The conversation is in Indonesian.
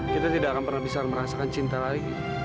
kita tidak akan pernah bisa merasakan cinta lagi